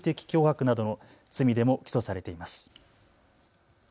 常習的脅迫などの罪でも起訴されています。